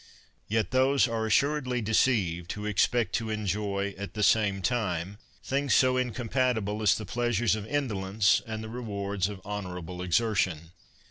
Yet those are assuredly deceived, who expect to en joy, at the same time, things so incompatible as the pleasures of indolence and the rewards of honorable exertion.